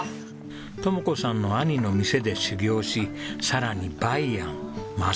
知子さんの兄の店で修業しさらに梅庵ますや